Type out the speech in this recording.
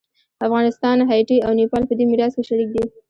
افغانستان، هایټي او نیپال په دې میراث کې شریک دي.